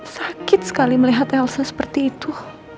sakit sekali melihat elsa seperti itu